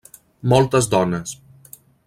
Moltes dones.